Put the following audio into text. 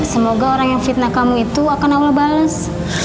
semoga orang yang fitnah kamu itu akan allah bales